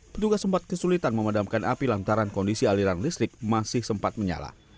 petugas sempat kesulitan memadamkan api lantaran kondisi aliran listrik masih sempat menyala